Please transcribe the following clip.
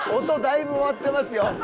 音だいぶ終わってますよ。